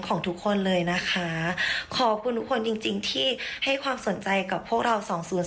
ของทุกคนเลยนะคะขอบคุณทุกคนจริงจริงที่ให้ความสนใจกับพวกเราสองศูนย